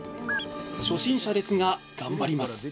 初心者ですが頑張ります！